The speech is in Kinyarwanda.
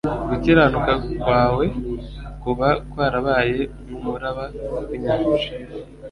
gukiranuka kwawe kuba kwarabaye nk'umuraba w'inyanja'."